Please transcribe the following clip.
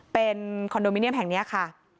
เป็นคอนโดมิเนียมแห่งนี้ค่ะ